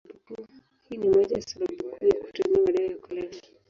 Hii ni moja ya sababu kuu ya kutumia madawa ya kulevya.